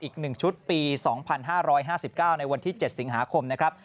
อีก๑ชุดปี๒๕๕๙ในวันที่๗สิงหาคมนะครับ